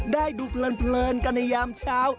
ได้ดูเพลินกันในยามเช้า